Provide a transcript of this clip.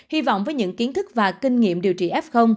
hy vọng với những kiến thức và kinh nghiệm điều trị f